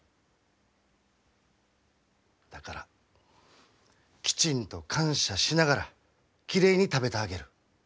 だからきちんと感謝しながらきれいに食べてあげる。